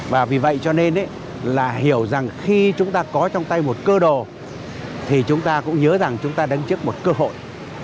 và vì vậy cho nên là hiểu rằng khi chúng ta có trong tay một cơ đồ thì chúng ta cũng nhớ rằng chúng ta đứng trước một cơ hội